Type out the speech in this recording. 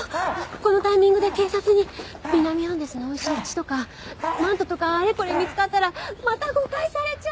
このタイミングで警察に南アンデスのおいしい血とかマントとかあれこれ見つかったらまた誤解されちゃう！